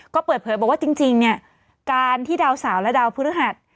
ก็เปิดเผยบอกว่าจริงเนี่ยการที่ดาวสาวและดาวพฤหัส